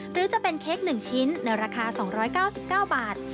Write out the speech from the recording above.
หรือจะเป็นเค้ก๑ชิ้นในราคา๒๙๙บาท